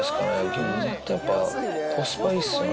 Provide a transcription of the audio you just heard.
ギョーザってやっぱ、コスパいいっすよね。